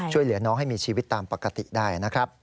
ช่วยเหลือน้องให้มีชีวิตตามปกติได้นะครับ